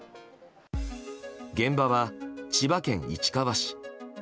現場は千葉県市川市。